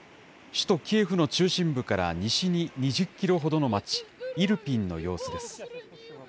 首都キエフの中心部から西に２０キロほどの街、イルピンの様子です。